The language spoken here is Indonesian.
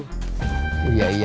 jangan gede juga ya